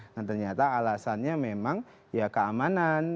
nah ternyata alasannya memang ya keamanan